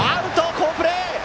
好プレー！